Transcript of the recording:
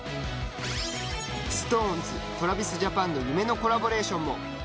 ＳｉｘＴＯＮＥＳＴｒａｖｉｓＪａｐａｎの夢のコラボレーションも。